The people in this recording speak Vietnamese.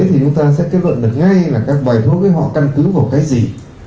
thì chúng ta sẽ kết luận được ngay là các bài thuốc ấy họ căn cứ vào cái gì